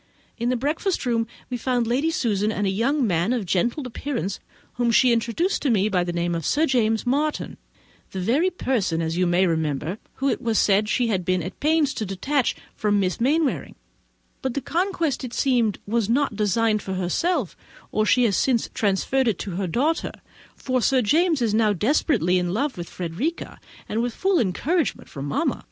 In the breakfast room we found Lady Susan, and a young man of gentlemanlike appearance, whom she introduced by the name of Sir James Martin—the very person, as you may remember, whom it was said she had been at pains to detach from Miss Mainwaring; but the conquest, it seems, was not designed for herself, or she has since transferred it to her daughter; for Sir James is now desperately in love with Frederica, and with full encouragement from mamma.